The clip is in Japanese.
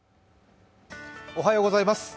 おはようございます。